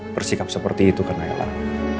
bersikap seperti itu ke nailah